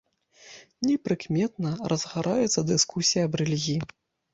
Непрыкметна разгараецца дыскусія аб рэлігіі.